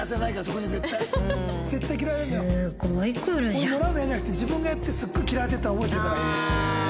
これもらうのが嫌じゃなくて自分がやってすっごい嫌われていったの覚えてるから。